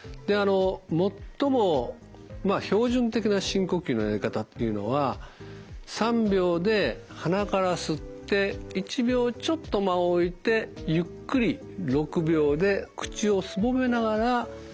最も標準的な深呼吸のやり方っていうのは３秒で鼻から吸って１秒ちょっと間を置いてゆっくり６秒で口をすぼめながら吐いてください。